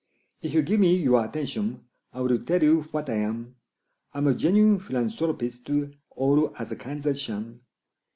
If you give me your attention, I will tell you what I am: I'm a genuine philanthropist all other kinds are sham.